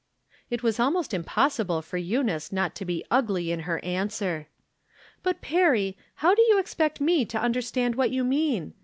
It was almost impossible for Eunice not to be ugly in her answer. " But, Perry, how do you expect me to under stand what you mean